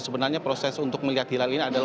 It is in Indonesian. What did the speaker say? sebenarnya proses untuk melihat hilal ini adalah